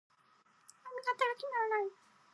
髪型が決まらない。